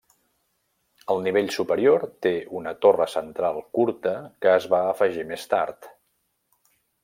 El nivell superior té una torre central curta que es va afegir més tard.